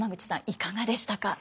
いかがでしたか？